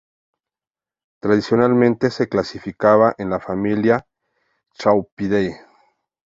Tradicionalmente se clasificaba en la familia "Thraupidae".